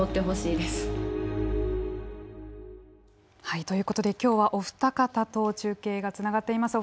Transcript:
はいということで今日はお二方と中継がつながっています。